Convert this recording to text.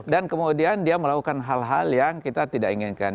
dan kemudian dia melakukan hal hal yang kita tidak inginkan